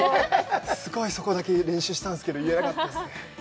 すごいそこだけ練習したんですけど、言えなかったですね。